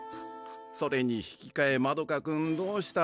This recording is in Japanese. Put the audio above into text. それに引きかえまどか君どうした？